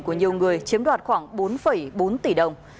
của nhiều người chiếm đoạt khoảng bốn bốn tỷ đồng